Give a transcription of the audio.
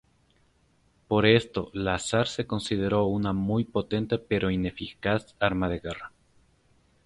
Por esto, la Zar se consideró una muy potente pero ineficaz arma de guerra.